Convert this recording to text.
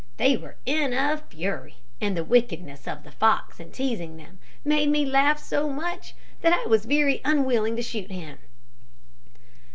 They were in a fury, and the wickedness of the fox in teasing them, made me laugh so much that I was very unwilling to shoot him."